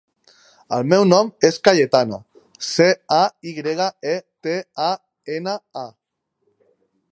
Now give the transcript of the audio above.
El meu nom és Cayetana: ce, a, i grega, e, te, a, ena, a.